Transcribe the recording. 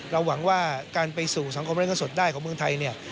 เราหวังว่าการไปสู่สังคมเรียนขั้นสดได้ของเมืองไทย